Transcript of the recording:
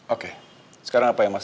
oke sekarang apa ya mas